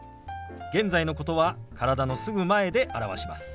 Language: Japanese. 現在のことは体のすぐ前で表します。